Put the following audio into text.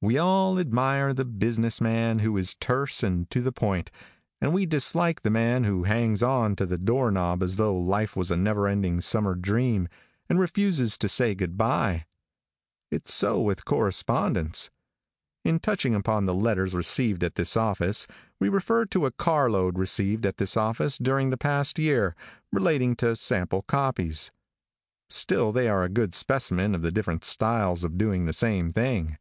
We all admire the business man who is terse and to the point, and we dislike the man who hangs on to the door knob as though life was a never ending summer dream, and refuses to say good bye. It's so with correspondence. In touching upon the letters received at this office, we refer to a car load received at this office during the past year, relating to sample copies. Still they are a good specimen of the different styles of doing the same thing.